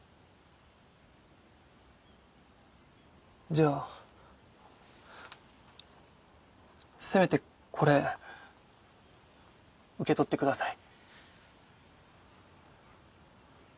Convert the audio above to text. じゃあせめてこれ受け取ってください。